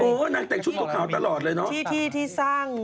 โอ้โหนางแต่งชุดขาวตลอดเลยเนอะที่ที่สร้าง